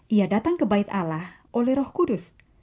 ia datang kebaik allah oleh roh kudus